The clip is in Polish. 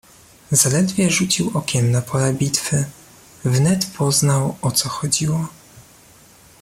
"Zaledwie rzucił okiem na pole bitwy, wnet poznał o co chodziło."